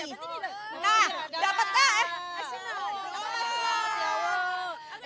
nah dapet tak